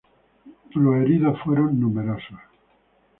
Los heridos fueron numerosos.